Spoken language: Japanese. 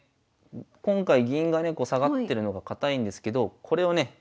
今回銀がねこう下がってるのが堅いんですけどこれをね